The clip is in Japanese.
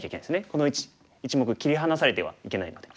この１目切り離されてはいけないので。